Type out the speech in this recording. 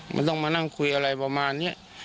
มันต้องมานั่งคุยอะไรประมาณนี้